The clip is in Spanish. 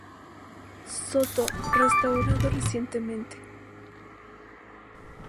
Soto restaurado recientemente.